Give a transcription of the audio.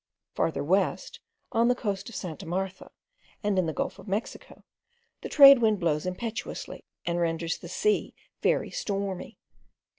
Farther west, on the coast of Santa Martha and in the Gulf of Mexico, the trade wind blows impetuously, and renders the sea very stormy.